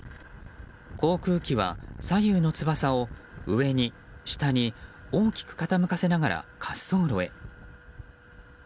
航空機は左右の翼を上に下に大きく傾かせながら滑走路へ。